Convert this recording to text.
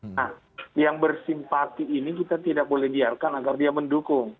nah yang bersimpati ini kita tidak boleh biarkan agar dia mendukung